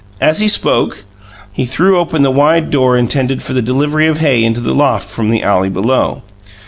As he spoke, he threw open the wide door intended for the delivery of hay into the loft from the alley below.